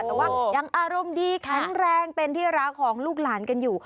แต่ว่ายังอารมณ์ดีแข็งแรงเป็นที่รักของลูกหลานกันอยู่